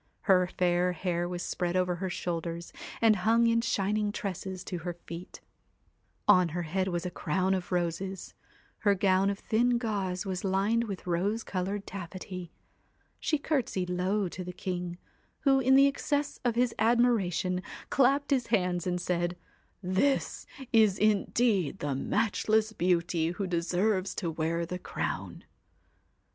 Her fair hair was spread over her shoulders, and hung in shining tresses to her feet ; on her head was a crown of roses; her gown of thin gauze was lined with rose coloured taffety ; she curtsied low to the king, who, in the excess of his admira tion, clapped his hands, and said :' This is indeed the matchless beauty who deserves to wear the crown.'